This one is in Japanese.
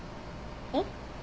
えっ？